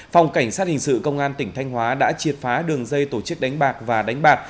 phòng cảnh sát hình sự công an tỉnh thanh hóa đã triệt phá đường dây tổ chức đánh bạc và đánh bạc